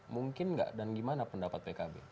mungkin nggak dan gimana pendapat pkb